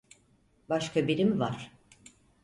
Başka biri mi var?